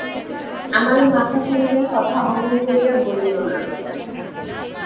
আমার মাঠাকরুণের কথা অমন করিয়া বলিও না।